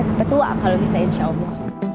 sampai tua kalau bisa insya allah